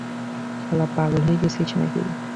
শালা পাগল হয়েছিস নাকি?